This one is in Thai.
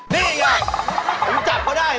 นี่ไงผมจับเขาได้ไหมล่ะ